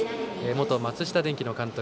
元松下電器の監督。